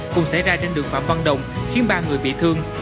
cùng xảy ra trên đường phạm văn đồng khiến ba người bị thương